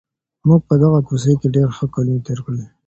موږ په دغه کوڅې کي ډېر ښه کلونه تېر کړل.